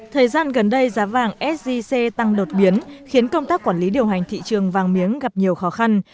thời gian gần đây giá vàng sgc tăng đột biến khiến công tác quản lý điều hành thị trường vàng miếng gặp nhiều khó khăn